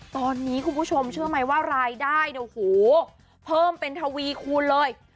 ตอนนี้คุณผู้ชมเชื่อไหมว่ารายได้เนี่ยโอ้โหเพิ่มเป็นทวีคูณเลย